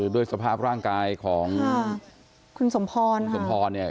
ด้วยสภาพร่างกายของคุณสมพรค่ะ